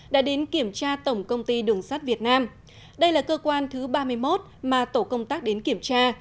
đã đến kiểm tra tổng công ty đường sắt việt nam đây là cơ quan thứ ba mươi một mà tổ công tác đến kiểm tra